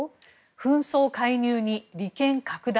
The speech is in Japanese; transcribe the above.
紛争介入に利権拡大。